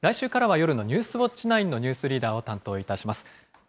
来週からは夜のニュースウオッチ９のニュースリーダーを担当いたします。